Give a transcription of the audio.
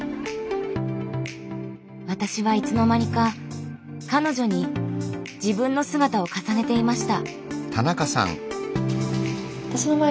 私はいつの間にか彼女に自分の姿を重ねていました。